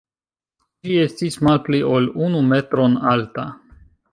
Ĝi estis malpli ol unu metron alta.